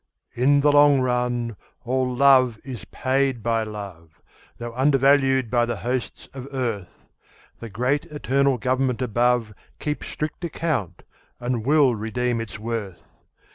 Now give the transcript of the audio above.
In the long run all love is paid by love, Though undervalued by the hosts of earth; The great eternal Government above Keeps strict account and will redeem its worth.